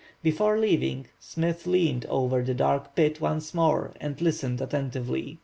Before leaving, Smith leaned over the dark pit once more and listened attentively.